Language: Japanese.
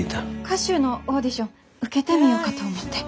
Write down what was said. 歌手のオーディション受けてみようかと思って。